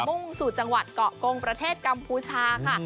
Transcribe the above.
มุ่งสู่จังหวัดเกาะกงประเทศกัมพูชาค่ะ